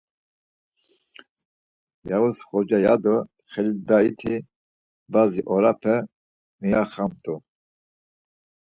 “Yavuz Xoca!” ya do Xelil Daiti bazi orape miyoxamt̆u.